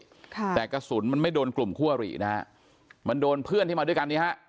ค่ะแต่กระสุนมันไม่โดนกลุ่มคั่วหรี่นะฮะมันโดนเพื่อนที่มาด้วยกันเนี้ยฮะ